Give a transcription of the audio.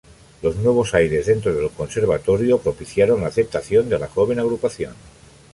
Los nuevos aires dentro del conservatorio propiciaron la aceptación de la joven agrupación.